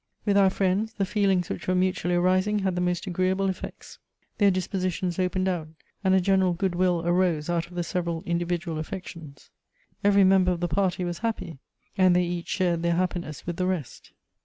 With our friends, the feelings which were mutually arising had the most agreeable effects. Their dispositions opened out, and a general good will arose out of the several individual affections. Every member of the party was happy ; and they each shared their happiness with the rest.